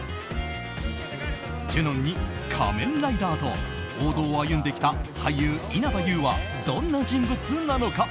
ジュノンに「仮面ライダー」と王道を歩んできた俳優・稲葉友はどんな人物なのか。